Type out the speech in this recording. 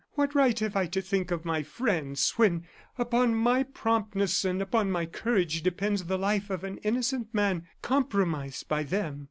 What right have I to think of my friends, when upon my promptness and upon my courage depends the life of an innocent man compromised by them?"